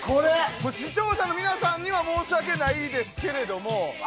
視聴者の皆さんには申し訳ないですけど。